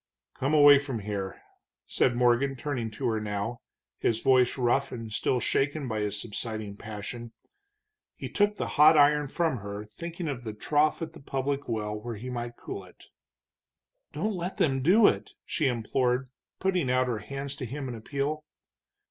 "Come away from here," said Morgan, turning to her now, his voice rough and still shaken by his subsiding passion. He took the hot iron from her, thinking of the trough at the public well where he might cool it. "Don't let them do it," she implored, putting out her hands to him in appeal.